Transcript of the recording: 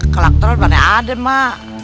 kelak telor banyak ada mak